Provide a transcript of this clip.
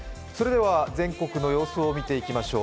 全国の様子を見ていきましょう。